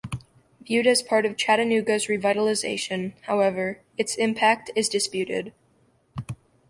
Viewed as part of Chattanooga's revitalization, however, its impact is disputed.